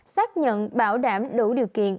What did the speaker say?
xác nhận bảo đảm đủ điều kiện